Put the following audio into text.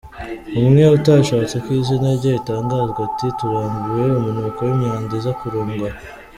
Umwe utashatse ko izina rye ritangazwa ati“ Turambiwe umunuko w’imyanda iza kurundwa aha.